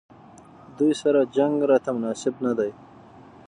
دوی سره جنګ راته مناسب نه دی.